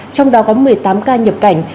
trong đó có một mươi tám ca nhập cảnh